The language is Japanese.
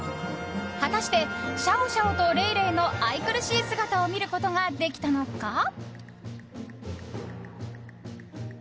果たしてシャオシャオとレイレイの愛くるしい姿を見ることができたのか？